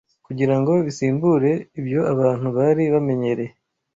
kugira ngo bisimbure ibyo abantu bari bamenyereye